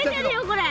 これ。